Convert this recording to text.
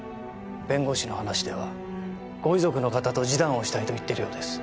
弁護士の話ではご遺族の方と示談をしたいと言っているようです。